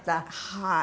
はい。